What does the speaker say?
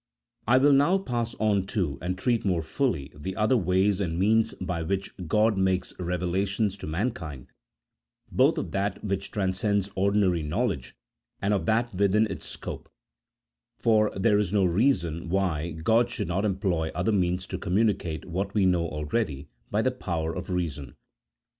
I will now pass on to, and treat more fully, the other ways and means by which God makes revelations to man kind, both of that which transcends ordinary knowledge, and of that within its scope ; for there is no reason why God should not employ other means to communicate what wo know already by the power of reason.